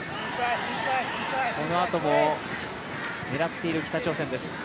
このあとも狙っている北朝鮮です。